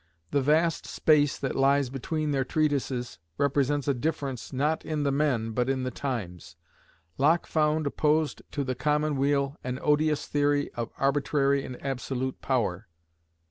The vast space that lies between their treatises represents a difference, not in the men, but in the times. Locke found opposed to the common weal an odious theory of arbitrary and absolute power.